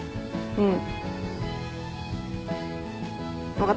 うん。